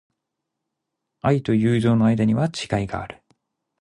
愛と友情の間には違いがある。